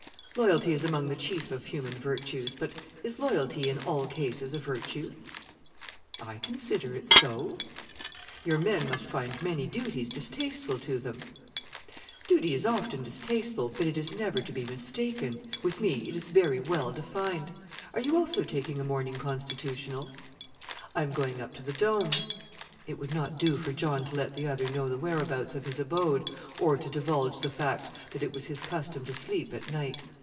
"Loyalty is among the chief of human virtues. But is loyalty in all cases a virtue?" "I consider it so." "Your men must find many duties distasteful to them." "Duty is often distasteful, but it is never to be mistaken. With me it is very well defined. Are you also taking a morning constitutional?" "I am going up to the Dome." It would not do for John to let the other know the whereabouts of his abode or to divulge the fact that it was his custom to sleep at night.